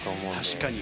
確かに。